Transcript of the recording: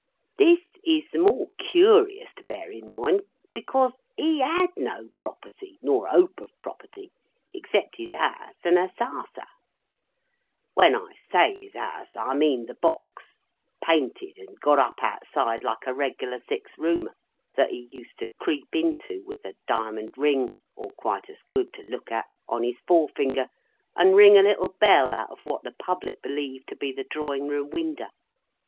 This is the more curious to bear in mind, because HE had no property, nor hope of property, except his house and a sarser. When I say his house, I mean the box, painted and got up outside like a reg'lar six roomer, that he used to creep into, with a diamond ring (or quite as good to look at) on his forefinger, and ring a little bell out of what the Public believed to be the Drawing room winder.